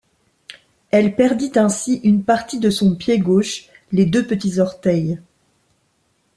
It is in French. Elle perdit ainsi une partie de son pied gauche, les deux petits orteils.